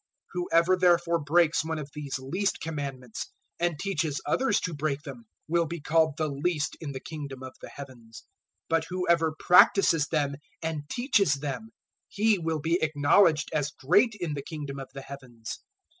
005:019 Whoever therefore breaks one of these least commandments and teaches others to break them, will be called the least in the Kingdom of the Heavens; but whoever practises them and teaches them, he will be acknowledged as great in the Kingdom of the Heavens.